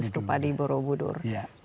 stupa di borobudur